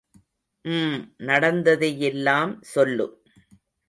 ம்... நடந்ததையெல்லாம் சொல்லு.